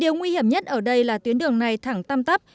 điều nguy hiểm nhất ở đây là tuyến đường này thẳng tăm tắp